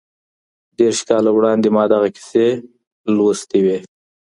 دېرش کاله وړاندې ما دغه کیسې لوستې وې.